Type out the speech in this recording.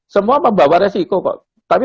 semua membawa resiko kok kami